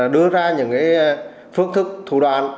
đưa ra những phương thức thủ đoàn